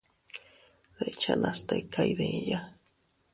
Dechanas tika iydiya.